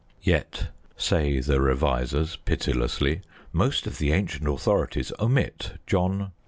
Yet, say the revisers, pitilessly, "Most of the ancient authorities omit John vii.